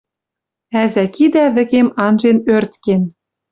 Ӓзӓ кидӓ вӹкем анжен ӧрткен